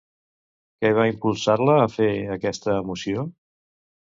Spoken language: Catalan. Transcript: Què va impulsar-la a fer, aquesta emoció?